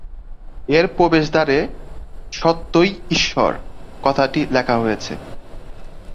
এর প্রবেশদ্বারে "সত্যই ঈশ্বর" কথাটি লেখা হয়েছে।